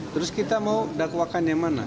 terus kita mau dakwakan yang mana